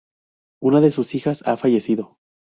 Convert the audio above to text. Una de sus hijas ha fallecido.